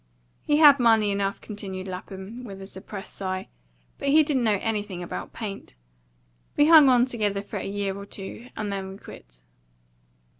"He had money enough," continued Lapham, with a suppressed sigh; "but he didn't know anything about paint. We hung on together for a year or two. And then we quit."